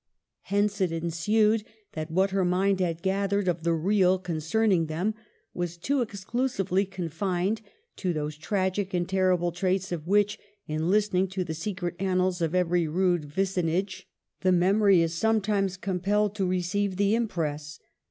Hence it ensued that what her mind had gathered of the real concerning them was too exclusively confined to those tragic and terrible traits of which, in listening to the secret annals of every rude vicinage, the memory is sometimes compelled to receive the impress.